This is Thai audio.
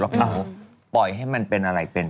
แล้วเขาปล่อยให้มันเป็นอะไรเป็น